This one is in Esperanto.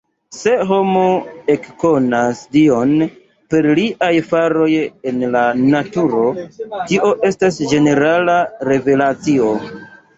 Se homo ekkonas Dion per liaj faroj en la naturo, tio estas "ĝenerala" revelacio.